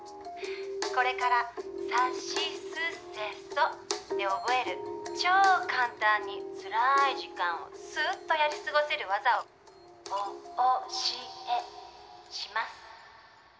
これから『さしすせそ』で覚える超簡単につらい時間をスッとやり過ごせる技をお・お・し・えします。